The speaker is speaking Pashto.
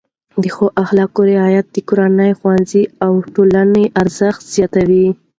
د ښو اخلاقو رعایت د کورنۍ، ښوونځي او ټولنې ارزښت زیاتوي.